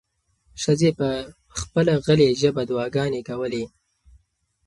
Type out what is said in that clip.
ښځې په خپله غلې ژبه دعاګانې کولې.